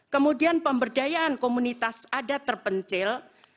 kemudian pemberdayaan komunitas adat terpencil